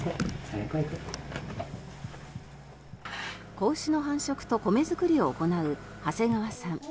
子牛の繁殖と米作りを行う長谷川さん。